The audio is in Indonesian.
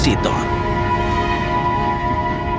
sesi berenang mencari cahaya hijau